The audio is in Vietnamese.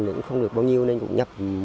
cũng không được bao nhiêu nên cũng nhập